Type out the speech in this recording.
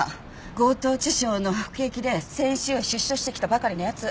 強盗致傷の服役で先週出所してきたばかりの奴。